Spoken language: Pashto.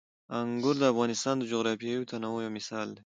انګور د افغانستان د جغرافیوي تنوع یو مثال دی.